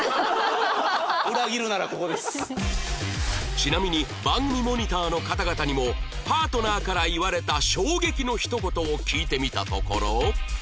ちなみに番組モニターの方々にもパートナーから言われた衝撃のひと言を聞いてみたところ